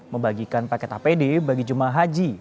membagikan paket apd bagi jemaah haji